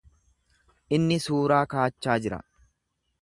Inni suuraa kaachaa jira.